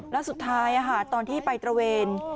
แล้วสุดท้ายตอนที่ไปตระเวน